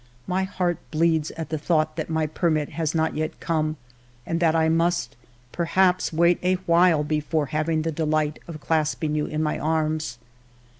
My heart bleeds at the thought that my permit has not yet come, and that I must perhaps wait a while before having the delight of clasping you in my arms.